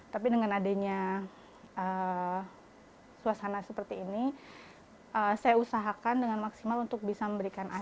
tapi dengan adanya suasana seperti ini saya usahakan dengan maksimal untuk bisa memberikan akses